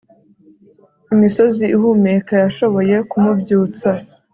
Imisozi ihumeka yashoboye kumubyutsa